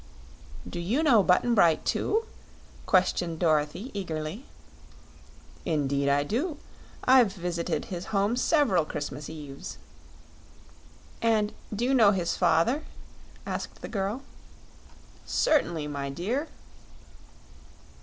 "Do you know Button Bright, too?" questioned Dorothy, eagerly. "Indeed I do. I've visited his home several Christmas Eves." "And do you know his father?" asked the girl. "Certainly, my dear.